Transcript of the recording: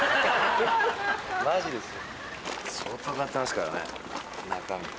マジですよ。